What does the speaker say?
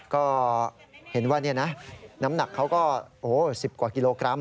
ก็เห็นว่านี่นะน้ำหนักเขาก็๑๐กว่ากิโลกรัม